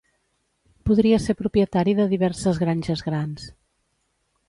Podria ser propietari de diverses granges grans.